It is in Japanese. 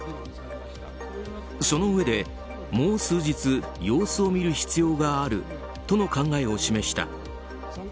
そのうえで、もう数日様子を見る必要があるとの考えを示した。